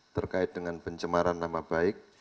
terkait dengan pencemaran nama baik